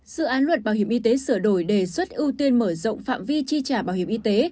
dự án luật bảo hiểm y tế sửa đổi đề xuất ưu tiên mở rộng phạm vi chi trả bảo hiểm y tế